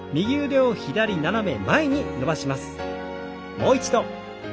もう一度。